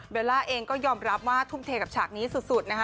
ล่าเองก็ยอมรับว่าทุ่มเทกับฉากนี้สุดนะคะ